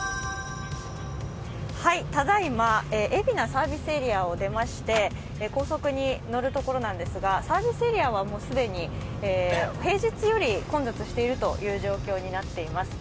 ただいま海老名サービスエリアを出まして高速に乗るところなんですが、サービスエリアはもう既に平日より混雑している状況になっています